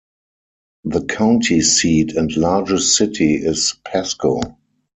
The county seat and largest city is Pasco.